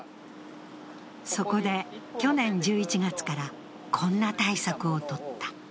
そこで去年１１月から、こんな対策をとった。